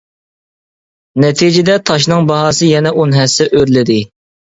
نەتىجىدە، تاشنىڭ باھاسى يەنە ئون ھەسسە ئۆرلىدى.